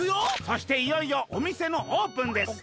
そしていよいよおみせのオープンです」。